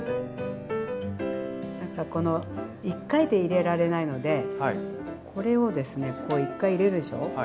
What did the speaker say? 何かこの１回で入れられないのでこれをですねこう１回入れるでしょう？